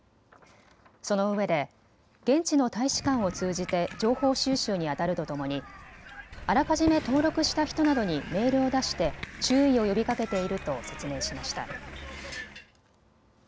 そのうえで現地の大使館を通じて情報収集にあたるとともにあらかじめ登録した人などにメールを出して注意を呼びかけていると説明しました。